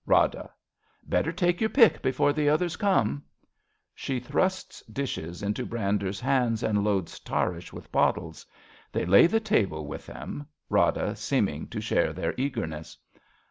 Rada. Better take your pick before the others come. {She thrusts dishes into Brander's hands and loads Tarrasch loith bottles. They lay the table with them, Rada seemiiig to share their eagerness.)